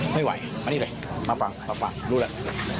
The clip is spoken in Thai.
ไม่ไหวมานี่แหละมาฟังมาฟังรู้แล้ว